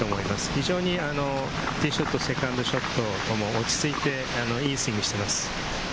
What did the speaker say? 非常にティーショット、セカンドショットとも落ち着いて、いいスイングをしています。